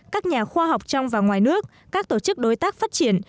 các nhà khoa học trong và ngoài nước các tổ chức đối tác phát triển